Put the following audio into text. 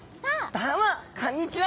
どうもこんにちは！